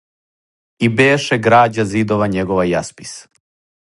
И беше грађа зидова његова јаспис